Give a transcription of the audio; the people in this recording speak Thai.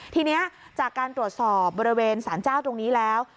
ทีนี้จากการตรวจสอบบริเวณสารเจ้าตรงนี้แล้ว